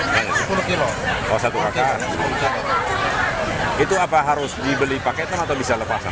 berbagai barang kebutuhan pokok dari beras sayur mayur hingga telur dan ayam potong